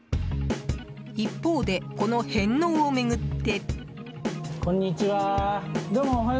一方で、この返納を巡って。